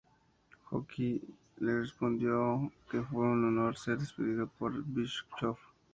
Honky le respondió que fue un honor ser despedido por Bischoff.